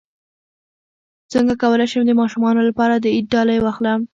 څنګه کولی شم د ماشومانو لپاره د عید ډالۍ واخلم